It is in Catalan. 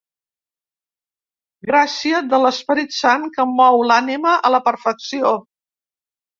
Gràcia de l'Esperit Sant que mou l'ànima a la perfecció.